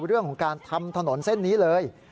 เรื่องของการทำถนนเส้นนี้เลย